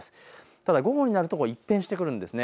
ただ午後になると一転してくるんですね。